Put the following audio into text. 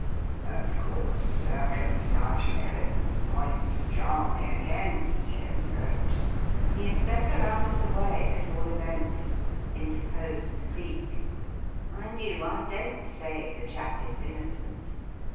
Of course, circumstantial evidence points strongly against him, but " "He's better out of the way, at all events," interposed Cleek. "Mind you, I don't say the chap is innocent.